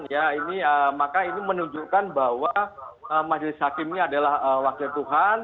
ya ini maka ini menunjukkan bahwa majelis hakim ini adalah wakil tuhan